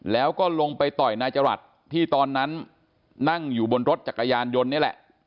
แล้วก็ลงไปต่อยนายจรัสที่ตอนนั้นนั่งอยู่บนรถจักรยานยนต์นี่แหละ